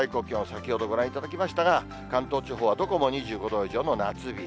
先ほどご覧いただきましたが、関東地方はどこも２５度以上の夏日。